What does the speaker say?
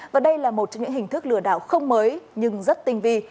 và đây là một trong những hình thức lừa đảo không mới nhưng rất tinh vi